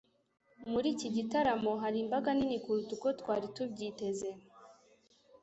Muri iki gitaramo hari imbaga nini kuruta uko twari tubyiteze